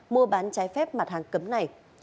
mua bán trái phép mặt hàng cấm này